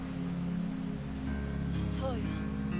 そうよ。